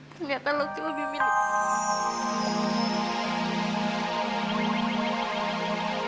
ternyata lo cuma bimbing